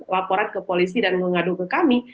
laporan ke polisi dan mengadu ke kami